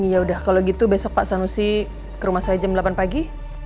ya udah kalau gitu besok pak sanusi ke rumah saya jam delapan pagi